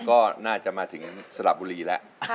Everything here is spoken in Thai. ก็น่าจะมาถึงสระบุรีแล้ว